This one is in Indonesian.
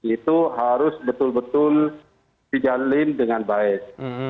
itu harus betul betul dijalin dengan baik